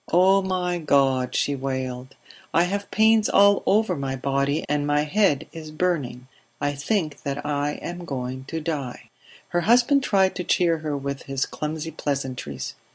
"Oh my God!" she wailed. "I have pains all over my body, and my head is burning. I think that I am going to die." Her husband tried to cheer her with his Clumsy pleasantries.